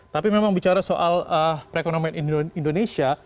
tapi memang bicara soal perekonomian indonesia